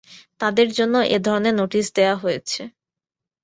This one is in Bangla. তাঁদের জন্য এ ধরনের নোটিশ দেওয়া হয়েছে।